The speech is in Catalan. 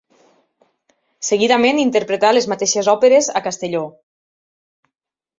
Seguidament interpretà les mateixes òperes a Castelló.